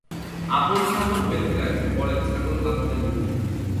আপন ছাগল বেঁধে রাখি, পরের ছাগল হাততালি দি।